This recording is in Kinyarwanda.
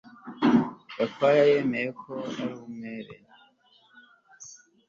Gakwaya yemeye ko ari umwere